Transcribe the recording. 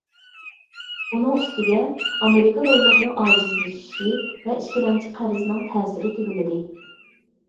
ئۇنىڭ ئۈستىگە، ئامېرىكا دوللىرىنىڭ ئاجىزلىشىشى ۋە ئىككىلەمچى قەرزنىڭ تەسىرى تۈگىمىدى.